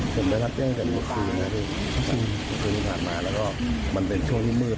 ผมได้รับเตี้ยงกันหมดครึ่งนะครับครึ่งถามมาแล้วก็มันเป็นช่วงที่มืด